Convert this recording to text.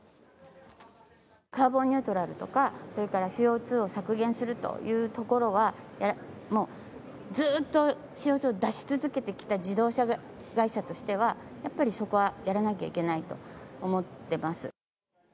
カーボンニュートラルとか、それからＣＯ２を削減するというところは、もうずっとＣＯ２を出し続けてきた自動車会社としては、やっぱりそこはやらなきゃいけないと思ってます。